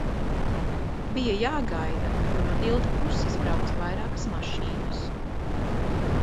Bija jāgaida, jo no tilta puses brauca vairākas mašīnas.